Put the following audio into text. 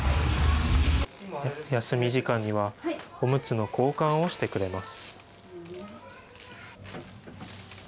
休み時間には、おむつの交換をしてくれます。